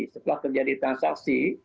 setelah terjadi transaksi